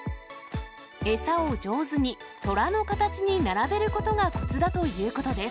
餌を上手にとらの形に並べることがこつだということです。